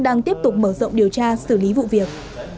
đang tiếp tục mở rộng điều tra xử lý vụ việc